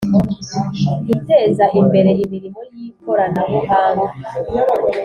guteza imbere imirimo y'ikoranabuhanga,